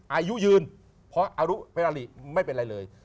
อายุยืนเพราะอรุเพราริไม่เป็นไรเลย